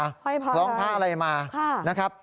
เฮ้ยพร้อยค่ะค่ะฮ้อยพร้อยร้องผ้าอะไรมา